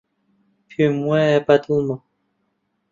پێم وایە بەدڵمە.